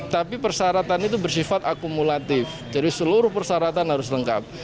tapi persyaratan itu bersifat akumulatif jadi seluruh persyaratan harus lengkap